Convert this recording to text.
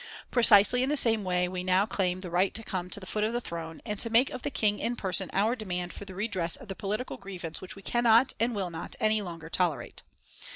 "Precisely in the same way we now claim the right to come to the foot of the Throne and to make of the King in person our demand for the redress of the political grievance which we cannot, and will not, any longer tolerate.